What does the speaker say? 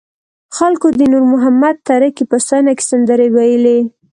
خلکو د نور محمد تره کي په ستاینه کې سندرې ویلې.